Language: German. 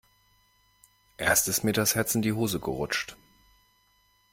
Erst ist mir das Herz in die Hose gerutscht.